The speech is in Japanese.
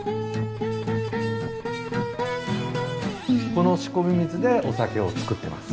この仕込み水でお酒を造ってます。